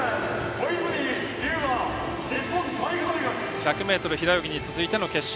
１００ｍ平泳ぎに続いての決勝。